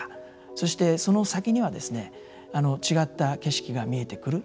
そして、その先には違った景色が見えてくる。